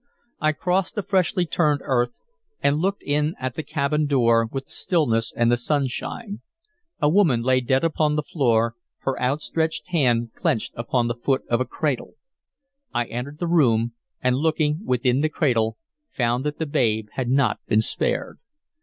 I crossed the freshly turned earth, and looked in at the cabin door with the stillness and the sunshine. A woman lay dead upon the floor, her outstretched hand clenched upon the foot of a cradle. I entered the room, and, looking within the cradle, found that the babe had not been spared.